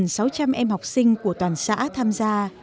năm nay có một trăm linh em học sinh của toàn xã tham gia